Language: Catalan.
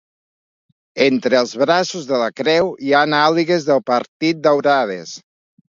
Entre els braços de la creu hi han àligues del Partit daurades.